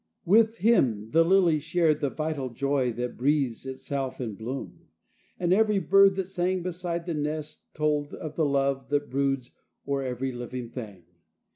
With him the lily shared The vital joy that breathes itself in bloom; And every bird that sang beside the nest Told of the love that broods o'er every living thing.